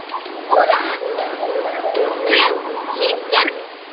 オラしんちゃん。